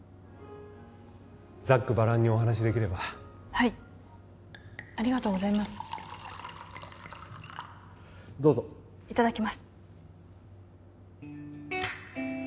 ざっくばらんにお話できればはいありがとうございますどうぞいただきます